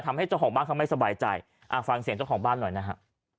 ทำให้เจ้าของบ้านเขาไม่สบายใจอ่าฟังเสียงเจ้าของบ้านหน่อยนะฮะ